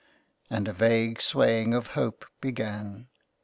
And a vague swaying of hope began.